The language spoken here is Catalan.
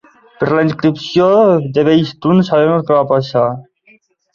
Per la inscripció de Behistun, sabem el que va passar.